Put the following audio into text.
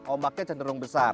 ombaknya cenderung besar